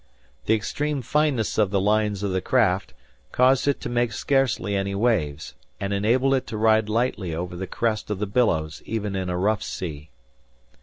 The extreme fineness of the lines of the craft, caused it to make scarcely any waves, and enabled it to ride lightly over the crest of the billows even in a rough sea.